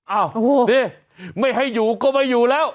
อ้าวนี่ไม่ให้อยู่ก็ไม่อยู่แล้ว